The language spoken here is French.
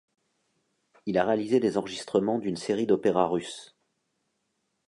Il a réalisé des enregistrements d'une série d'opéras russes.